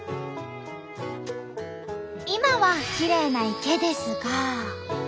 今はきれいな池ですが。